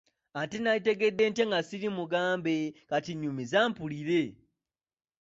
Ate nandikitegedde ntya nga ssiri mugambe, kati nyumiza mpulire.